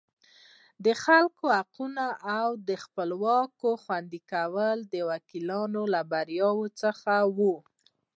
د خلکو حقوقو او خپلواکیو خوندي کول د وکیلانو له بریاوو څخه وو.